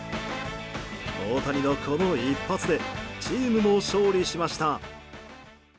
大谷の、この一発でチームも勝利しました。